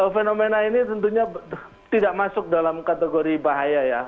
fenomena ini tentunya tidak masuk dalam kategori bahaya ya